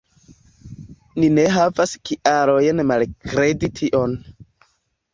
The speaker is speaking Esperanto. Ni ne havas kialojn malkredi tion.